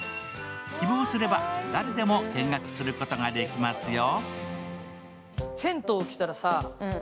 希望すれば、誰でも見学することができますよ。